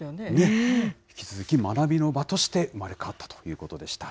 ね、引き続き学びの場として生まれ変わったということでした。